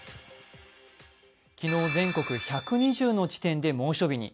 昨日全国１２０の地点で猛暑日に。